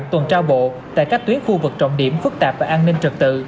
tuần tra bộ tại các tuyến khu vực trọng điểm phức tạp và an ninh trật tự